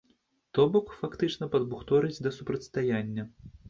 То бок, фактычна, падбухторыць да супрацьстаяння.